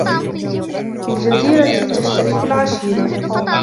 في الجريرة تشترك العشيرة